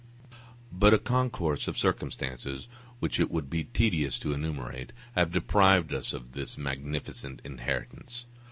But a concourse of circumstances, which it would be tedious to enumerate, *m have deprived us of this magnificent inheritance.